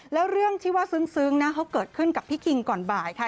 แล้วเรื่องที่ว่าซึ้งนะเขาเกิดขึ้นกับพี่คิงก่อนบ่ายค่ะ